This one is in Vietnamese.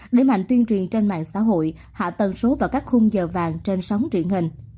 để mạnh tuyên truyền trên mạng xã hội hạ tần số và các khung giờ vàng trên sóng truyền hình